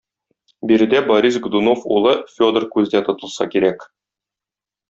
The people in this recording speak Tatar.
Биредә Борис Годунов улы Федор күздә тотылса кирәк.